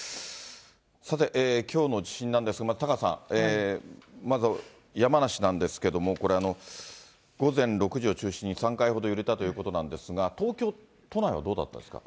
さて、きょうの地震なんですが、タカさん、まず山梨なんですけども、これ、午前６時を中心に３回ほど揺れたということなんですが、東京都内はどうだったですか？